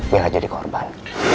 bella jadi korban